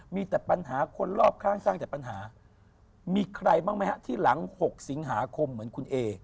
มีแต่ปัญหาคนรอบข้างสร้างแต่ปัญหามีใครบ้างไหมฮะที่หลัง๖สิงหาคมเหมือนคุณเอ